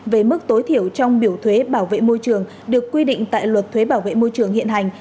về mức tối thiểu trong biểu thuế bảo vệ môi trường được quy định tại luật thuế bảo vệ môi trường hiện hành